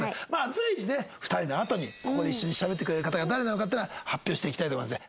随時ね２人のあとにここで一緒にしゃべってくれる方が誰なのかっていうのは発表していきたいと思いますので。